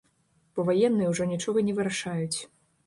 Бо ваенныя ўжо нічога не вырашаюць.